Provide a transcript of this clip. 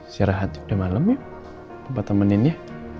istirahat udah malem ya bapak temenin ya